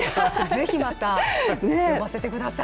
ぜひまた、呼ばせてください。